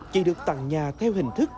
chị được tặng nhà theo hình thức